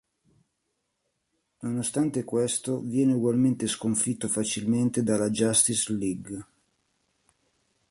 Nonostante questo, viene ugualmente sconfitto facilmente dalla Justice League